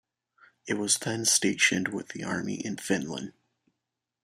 It was then stationed with the army in Finland.